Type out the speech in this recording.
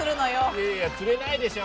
いやいや釣れないでしょ。